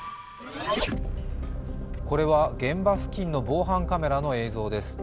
これは現場付近の防犯カメラの映像です。